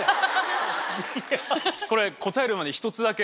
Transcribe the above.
これ答える前に。